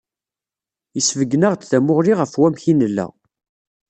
Yesbeyyen-aɣ-d tamuɣli ɣef wamek i nella.